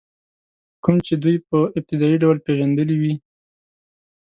کوم چې دوی په ابتدایي ډول پېژندلي وي.